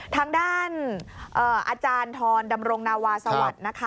ทางด้านอาจารย์ทรดำรงนาวาสวัสดิ์นะคะ